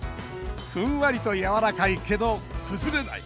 ふんわりと、やわらかいけど崩れない。